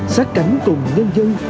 sát cánh cùng nhân dân